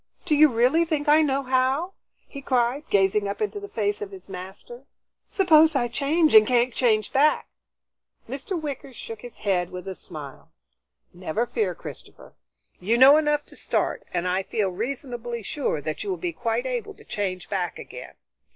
Do you really think I know how?" he cried, gazing up into the face of his master. "Suppose I change and can't change back?" Mr. Wicker shook his head with a smile. "Never fear, Christopher. You know enough to start, and I feel reasonably sure that you will be quite able to change back again.